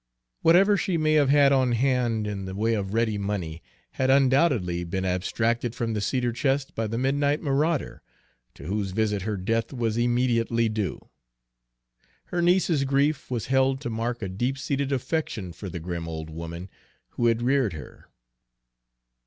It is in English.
Whatever she may have had on hand in the way of ready money had undoubtedly been abstracted from the cedar chest by the midnight marauder, to whose visit her death was immediately due. Her niece's grief was held to mark a deep seated affection for the grim old woman who had reared her.